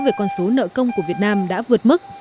về con số nợ công của việt nam đã vượt mức